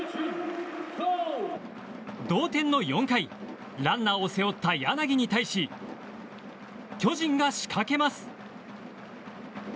同点の４回ランナーを背負った柳に対し巨人が仕掛けます。